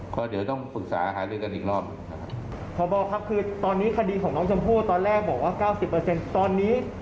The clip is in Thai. เพราะเดี๋ยวต้องปรึกษาอาหารเรื่องกันอีกรอบนะครับ